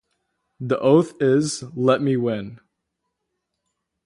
The oath is, Let me win.